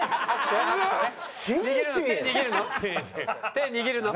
手握るの？